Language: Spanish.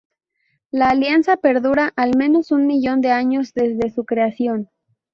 La Alianza perdura al menos un millón de años desde su creación.